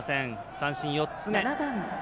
三振４つ目。